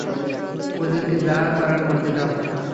ওদেরকে যা করার করতে দাও।